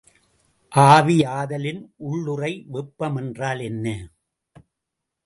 ஆவியாதலின் உள்ளுறை வெப்பம் என்றால் என்ன?